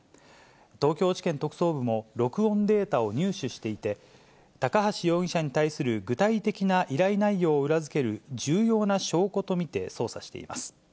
東京地検特捜部も録音データを入手していて、高橋容疑者に対する具体的な依頼内容を裏付ける重要な証拠と見て捜査しています。